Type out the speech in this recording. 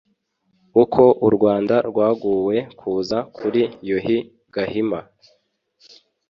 uko u rwanda rwaguwe kuva kuri yuhi gahima